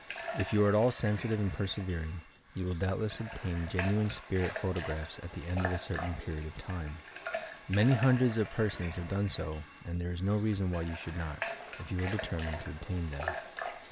If you are at all sensi tive and persevering, you will doubtless obtain genuine spirit photographs at the end of a certain period of time. Many hundreds of p»?r8ons have done so and there is no reason why you should not, if you are determined to obtain them.